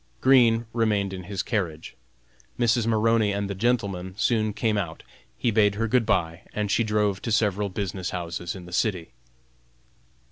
Green remained in his carriage. Mrs. Maroney and the gentleman soon came out; he bade her good bye, and she drove to several business houses in the city.